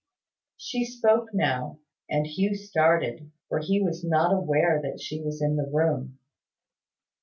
She spoke now; and Hugh started, for he was not aware that she was in the room.